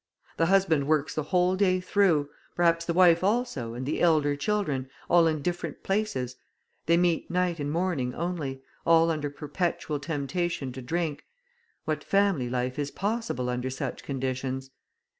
The husband works the whole day through, perhaps the wife also and the elder children, all in different places; they meet night and morning only, all under perpetual temptation to drink; what family life is possible under such conditions?